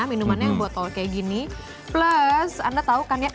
minumannya yang botol kayak gini plus anda tahu kan ya